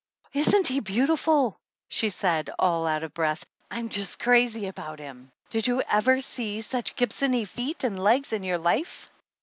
"Isn't he beautiful!" she said all out of breath. "I'm just crazy about him! Did you ever see such Gibsony feet and legs in your life?"